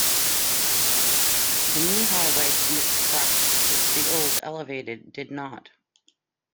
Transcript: The new highway permits trucks, which the old elevated did not.